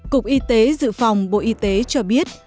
cục y tế dự phòng bộ y tế cho biết